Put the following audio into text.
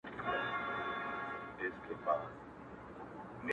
پر نیم ولس مو بنده چي د علم دروازه وي,